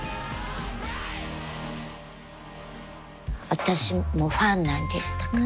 私もファンなんですだから。